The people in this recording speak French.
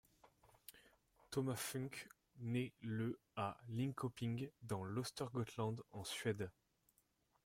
Thomas Funck naît le à Linköping, dans l'Östergötland, en Suède.